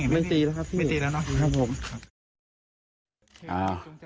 ไม่ตีแล้วเนอะ